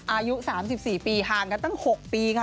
อายุ๓๔ปีห่างกันตั้ง๖ปีค่ะ